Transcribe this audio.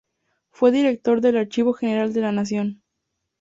Fue director del Archivo General de la Nación.